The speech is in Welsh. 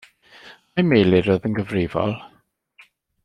Ai Meilir oedd yn gyfrifol?